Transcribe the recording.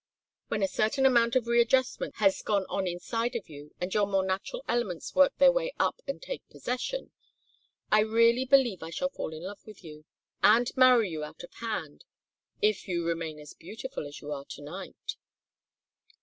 When a certain amount of readjustment has gone on inside of you and your more natural elements work their way up and take possession, I really believe I shall fall in love with you, and marry you out of hand if you remain as beautiful as you are to night."